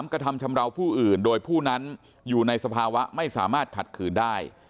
กระทำชำราวผู้อื่นโดยผู้นั้นอยู่ในสภาวะไม่สามารถขัดขืนได้